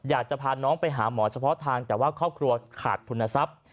อยากจะพาน้องไปหาหมอเฉพาะทางแต่ว่าครอบครัวขาดทุนทรัพย์